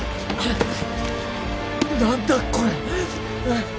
何だこれ。